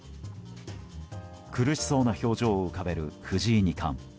苦しそうな表情を浮かべる藤井二冠。